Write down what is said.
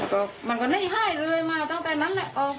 แล้วก็มันก็นี่ไห้เรื่อยมาตั้งแต่นั้นแหละโอ๊ย